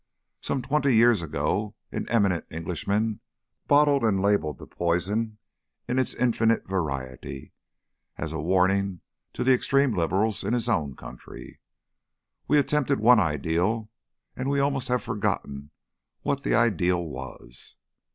Some twenty years ago an eminent Englishman bottled and labelled the poison in its infinite variety, as a warning to the extreme liberals in his own country. We attempted one ideal, and we almost have forgotten what the ideal was.